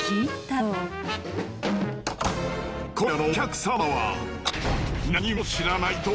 今夜のお客様は。